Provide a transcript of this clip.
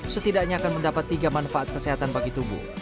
setidaknya akan mendapat tiga manfaat kesehatan bagi tubuh